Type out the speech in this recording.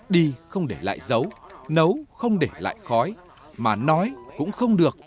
đi không để lại dấu nấu không để lại khói mà nói cũng không được